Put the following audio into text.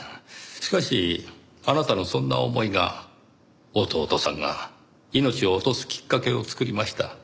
しかしあなたのそんな思いが弟さんが命を落とすきっかけを作りました。